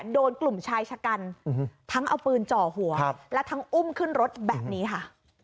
โดนกลุ่มชายชะกันทั้งเอาปืนจ่อหัวและทั้งอุ้มขึ้นรถแบบนี้ค่ะ